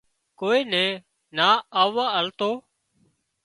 ڪوئي نا آووا آلتو